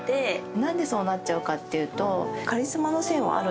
何でそうなっちゃうかっていうと。